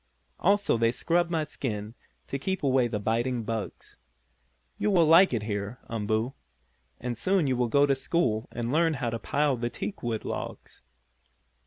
Also they scrub my skin to keep away the biting bugs. You will like it here, Umboo, and soon you will go to school and learn how to pile the teakwood logs."